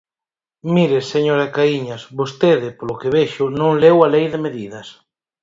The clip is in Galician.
Mire, señora Caíñas, vostede, polo que vexo, non leu a Lei de medidas.